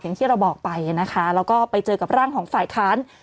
อย่างที่เราบอกไปนะคะแล้วก็ไปเจอกับร่างของฝ่ายค้าน